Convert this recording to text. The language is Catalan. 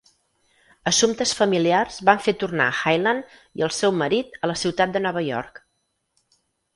Assumptes familiars van fer tornar Hyland i el seu marit a la ciutat de Nova York.